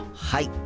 はい！